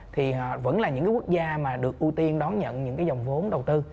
thì vẫn là những cái quốc gia mà được ưu tiên đón nhận những cái dòng vốn đầu tư